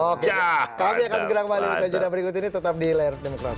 oke kami akan segera kembali usaha jadwal berikut ini tetap di layar demokrasi